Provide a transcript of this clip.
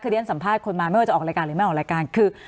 เค้าเรียนสัมภาษณ์คนมายังไม่รู้จะออกรายการหรือไม่ออกรายการ